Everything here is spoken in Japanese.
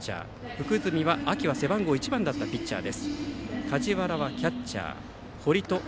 福住は秋は背番号１だったピッチャー。